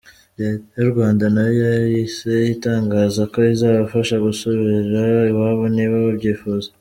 Leta y’u Rwanda nayo yahise itangaza ko izabafasha gusubira iwabo niba babyifuza.